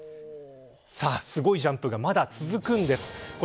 さあ、すごいジャンプがまだ続くんですね。